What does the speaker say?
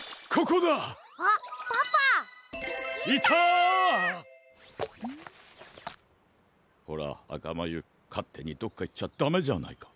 こらあかまゆかってにどっかいっちゃダメじゃないか。